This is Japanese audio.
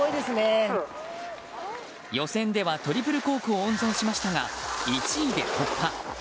予選ではトリプルコークを温存しましたが１位で突破。